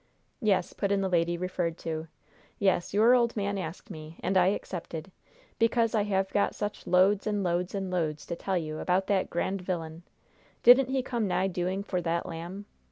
"Yes," put in the lady referred to. "Yes, your old man asked me, and I accepted, because I have got such loads and loads and loads to tell you about that grand vilyun. Didn't he come nigh doing for that lamb?